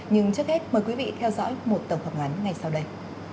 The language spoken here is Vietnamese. nhưng trước hết mời quý vị theo dõi một tổng hợp ngắn ngay sau đây